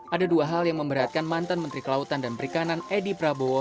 ada dua hal yang memberatkan mantan menteri kelautan dan perikanan edi prabowo